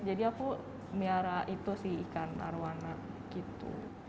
jadi aku meyara itu sih ikan arowana gitu